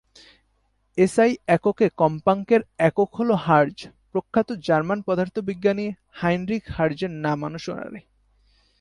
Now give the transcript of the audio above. SI এককে কম্পাঙ্কের একক হলো হার্জ, প্রখ্যাত জার্মান পদার্থবিজ্ঞানী হাইনরিখ হার্জের নামানুসারে।